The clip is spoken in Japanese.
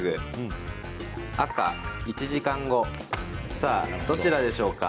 さあ、どちらでしょうか？